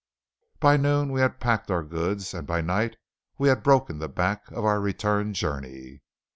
By noon we had packed our goods, and by night we had broken the back of our return journey.